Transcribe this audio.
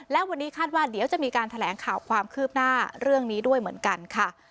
และวันนี้คาดว่าเดี๋ยวจะมีการแถลงข่าวความคืบหน้าเรื่องนี้ด้วยเหมือนกันค่ะ